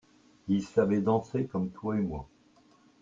Ils savaient danser comme toi et moi.